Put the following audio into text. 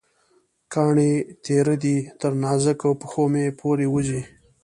کاڼې تېره دي، تر نازکو پښومې پورې وځي